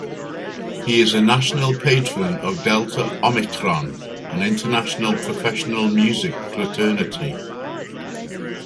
He is a National Patron of Delta Omicron, an international professional music fraternity.